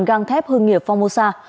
găng thép hương nghiệp phong mô sa